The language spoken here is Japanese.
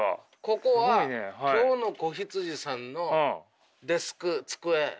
ここは今日の子羊さんのデスク机。